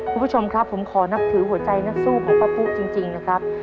คุณผู้ชมครับผมขอนับถือหัวใจนักสู้ของป้าปุ๊จริงนะครับ